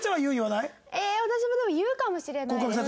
私もでも言うかもしれないです。